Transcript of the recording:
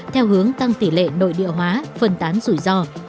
theo hướng tăng tỷ lệ nội địa hóa phân tán rủi ro